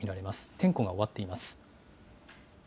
点呼が終わっています。